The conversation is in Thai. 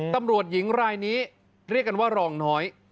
ตำรวจหญิงรายนี้เรียกกันว่ารองน้อย